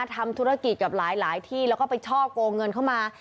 ทำธุรกิจกับหลายที่แล้วก็ไปช่อกงเงินเข้ามา